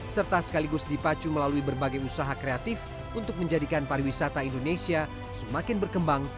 serta sekaligus dipacu melalui berbagai usaha kreatif untuk menjadikan pariwisata indonesia semakin berkembang